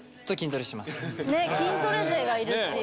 筋トレ勢がいるっていう。